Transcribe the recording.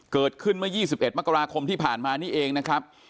เกิดขึ้นเมื่อ๒๑มกราคมที่ผ่านมานี่เองนะครับ